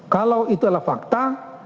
kalau itulah fakta